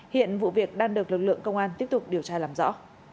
hiện vụ việc đang được lực lượng công an tiếp tục điều tra làm rõ